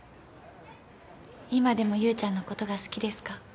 今でも優ちゃんのことが好きですか？